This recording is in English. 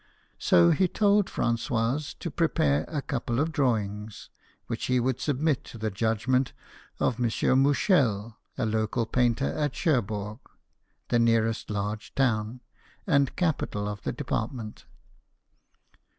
So he told Franois to prepare a couple of drawings, which he would submit to the judgment of M. Mouchel, a local painter at Cherbourg, the nearest large town, and capital of the department.